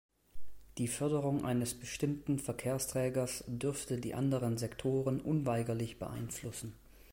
Die Förderung eines bestimmten Verkehrsträgers dürfte die anderen Sektoren unweigerlich beeinflussen.